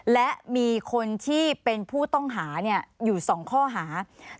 และมีคนที่เป็นผู้ต้องหาอยู่๒ข้อหา